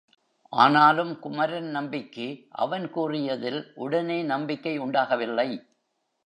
ஆனாலும் குமரன் நம்பிக்கு அவன் கூறியதில் உடனே நம்பிக்கை உண்டாகவில்லை.